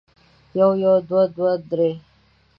يو يوه دوه دوې درې